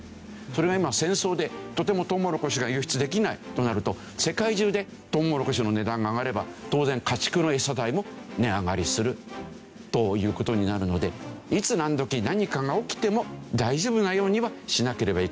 それが今戦争でとてもとうもろこしが輸出できないとなると世界中でとうもろこしの値段が上がれば当然家畜のエサ代も値上がりするという事になるのでいつ何時何かが起きても大丈夫なようにはしなければいけない。